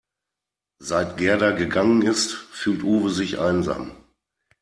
Seit Gerda gegangen ist, fühlt Uwe sich einsam.